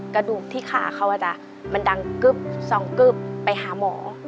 กระดูกที่ขาเขามันดังกึ๊บสองกึ๊บไปหาหมอ